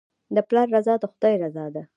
د پلار رضا د خدای رضا ده.